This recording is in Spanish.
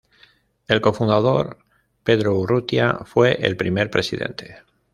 El cofundador, Pedro Urrutia, fue el primer Presidente.